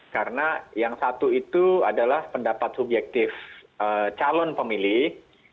karena yang satu itu adalah pendapat subjektif calon pemilih